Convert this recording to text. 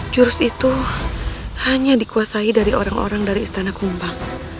jurus itu hanya dikuasai dari orang orang dari istana kumbang